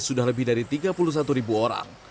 sudah lebih dari tiga puluh satu ribu orang